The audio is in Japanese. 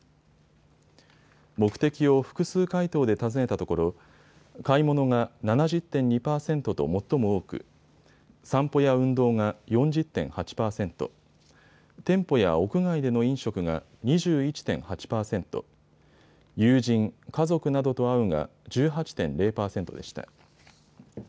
目的を複数回答で尋ねたところ、買い物が７０．２％と最も多く、散歩や運動が４０．８％、店舗や屋外での飲食が２１．８％、友人・家族などと会うが１８．０％でした。